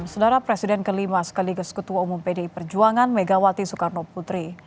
sedara presiden ke lima sekaligus ketua umum pd perjuangan megawati soekarnoputri